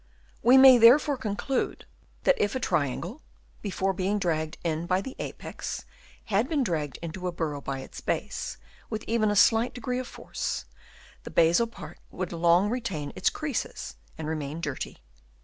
We may therefore conclude that if a triangle, before being dragged in by the apex, had been dragged into a burrow by its base with even a slight degree of force, the basal part would long retain its creases and remain dirty.